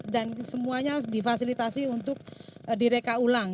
dan semuanya difasilitasi untuk direka ulang